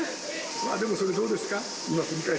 でもそれ、どうですか？